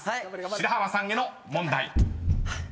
白濱さんへの問題］